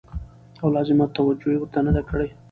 او لازمه توجع يې ورته نه ده کړې